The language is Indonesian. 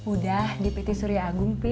udah di pt surya agung p